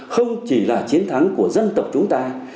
không chỉ là chiến thắng của dân tộc chúng ta